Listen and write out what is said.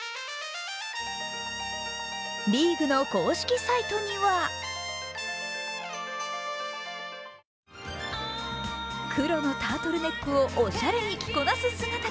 リーグの公式サイトには黒のタートルネックをおしゃれに着こなす姿が。